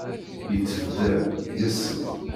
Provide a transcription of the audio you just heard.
Yettebder, yas-d.